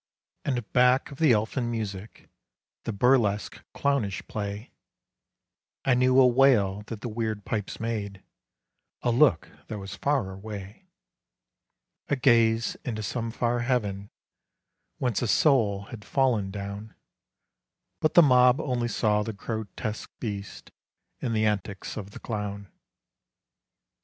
And back of the elfin music, The burlesque, clownish play, I knew a wail that the weird pipes made, A look that was far away, A gaze into some far heaven Whence a soul had fallen down; But the mob only saw the grotesque beast And the antics of the clown.